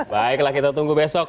baiklah kita tunggu besok